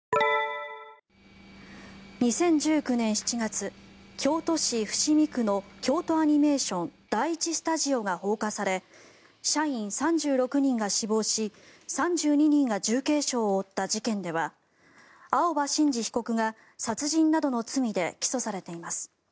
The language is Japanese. ２０１９年７月京都市伏見区の京都アニメーション第１スタジオが放火され社員３６人が死亡し３２人が重軽傷を負った事件では青葉真司被告が殺人などの罪で起訴されています。